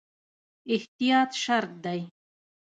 احتیاط شرط دی